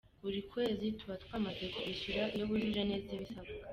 Buri kwezi tuba twamaze kubishyura iyo bujuje neza ibisabwa.